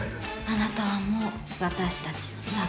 あなたはもう私たちの仲間。